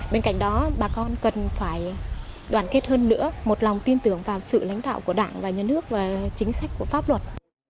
bên cạnh đó bà con cần phải đoàn kết hơn nữa một lòng tin tưởng vào sự lãnh đạo của đảng và nhân ước và chính sách của pháp luật